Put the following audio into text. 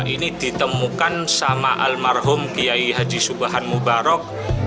ini ditemukan sama almarhum kiai haji subhan mubarak